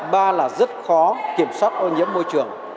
ba là rất khó kiểm soát ô nhiễm môi trường